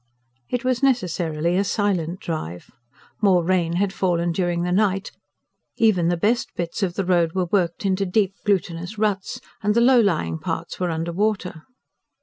It was necessarily a silent drive. More rain had fallen during the night; even the best bits of the road were worked into deep, glutinous ruts, and the low lying parts were under water.